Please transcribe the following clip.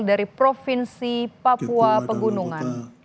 dari provinsi papua pegunungan